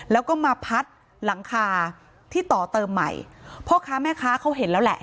แล้วก็มาพัดหลังคาที่ต่อเติมใหม่พ่อค้าแม่ค้าเขาเห็นแล้วแหละ